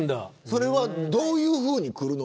それはどういうふうに来るの。